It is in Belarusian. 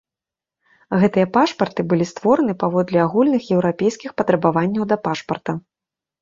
Гэтыя пашпарты былі створаны паводле агульных еўрапейскіх патрабаванняў да пашпарта.